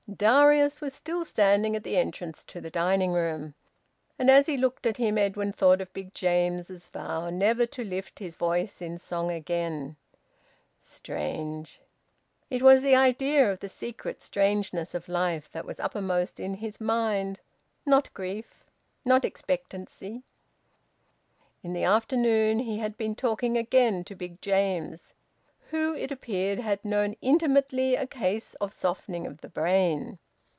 Darius was still standing at the entrance to the dining room. And as he looked at him Edwin thought of Big James's vow never to lift his voice in song again. Strange! It was the idea of the secret strangeness of life that was uppermost in his mind: not grief, not expectancy. In the afternoon he had been talking again to Big James, who, it appeared, had known intimately a case of softening of the brain.